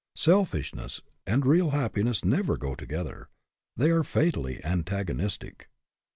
Self ishness and real happiness never go together. They are fatally antagonistic.